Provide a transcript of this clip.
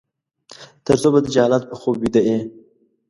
ترڅو به د جهالت په خوب ويده يې ؟